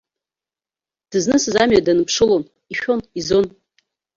Дызнысыз амҩа данԥшылон, ишәон, изон.